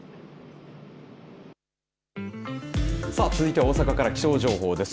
さあ続いては大阪から気象情報です。